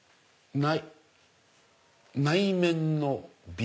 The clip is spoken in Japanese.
「内面の美」。